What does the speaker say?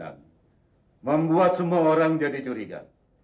yang membuat semua orang jadi curiga